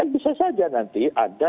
bisa saja nanti ada